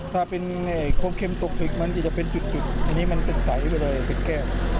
ถ้าเป็นโคบเข้มตกผลึกมันจะเป็นจุดอันนี้มันเป็นใสเป็นแก้ว